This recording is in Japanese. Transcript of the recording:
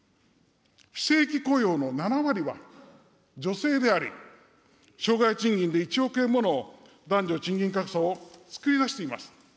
非正規雇用の７割は女性であり、生涯賃金で１億円もの男女賃金格差をつくり出しています。